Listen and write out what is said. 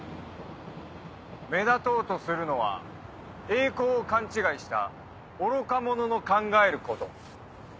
目立とうとするのは栄光を勘違いした愚か者の考えること。